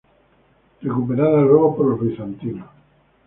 Recuperada luego por los bizantinos.